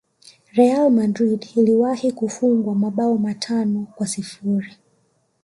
Real Madrid iliwahi kufungwa mabao matano kwa sifuri